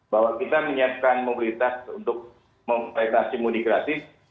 bahwa kita menyiapkan mobilitas untuk memperbaiki mudik gratis